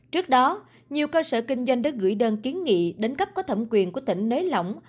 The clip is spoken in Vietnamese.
trước đó nhiều cơ sở kinh doanh đã gửi đơn kiến nghị đến cấp có thẩm quyền của tỉnh nới lỏng